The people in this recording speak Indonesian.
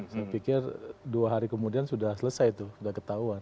saya pikir dua hari kemudian sudah selesai itu sudah ketahuan